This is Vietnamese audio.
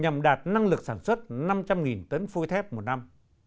nhằm đạt năng lực sản xuất năm trăm linh tấn phôi thép một năm